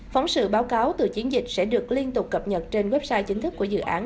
phóng sự báo cáo từ chiến dịch sẽ được liên tục cập nhật trên website chính thức của dự án